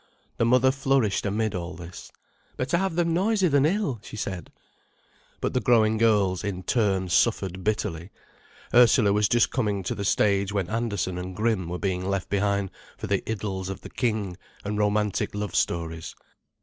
The mother flourished amid all this. "Better have them noisy than ill," she said. But the growing girls, in turn, suffered bitterly. Ursula was just coming to the stage when Andersen and Grimm were being left behind for the "Idylls of the King" and romantic love stories.